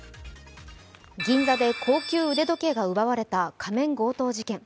銀座で高級腕時計が奪われた仮面強盗事件。